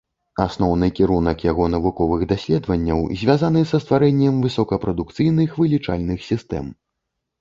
Асноўны кірунак яго навуковых даследаванняў звязаны са стварэннем высокапрадукцыйных вылічальных сістэм.